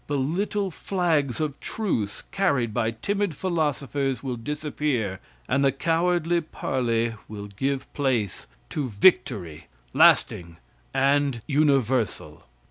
The little flags of truce carried by timid philosophers will disappear, and the cowardly parley will give place to victory lasting and universal.